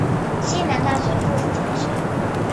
西南大学附属中学。